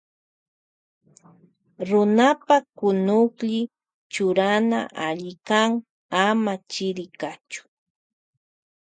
Runapa kunuklli churana alli kan ama chiri kachun.